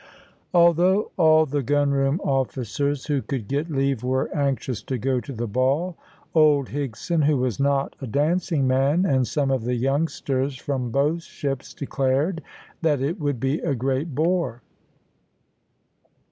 Although all the gunroom officers who could get leave were anxious to go to the ball, old Higson, who was not a dancing man, and some of the youngsters from both ships declared that it would be a great bore.